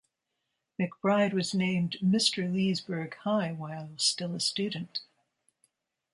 McBride was named Mr. Leesburg High while still a student.